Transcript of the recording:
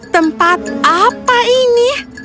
tempat apa ini